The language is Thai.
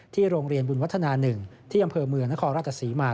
โรงเรียนบุญวัฒนา๑ที่อำเภอเมืองนครราชศรีมา